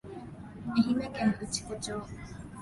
愛媛県内子町